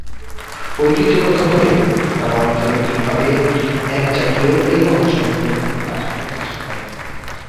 ঐতিহ্যগতভাবে তারা অর্থনৈতিকভাবে একজাতীয় এবং সম্মিলিতভাবে কাজ করার চেষ্টা করে।